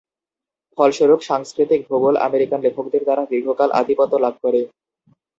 ফলস্বরূপ, সাংস্কৃতিক ভূগোল আমেরিকান লেখকদের দ্বারা দীর্ঘকাল আধিপত্য লাভ করে।